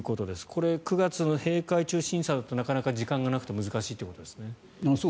これ、９月の閉会中審査だとなかなか時間がなくて難しいということですね。